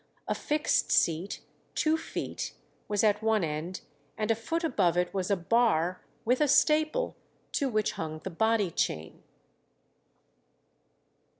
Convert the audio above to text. A fixed seat, two feet, was at one end, and a foot above it was a bar with a staple, to which hung the body chain.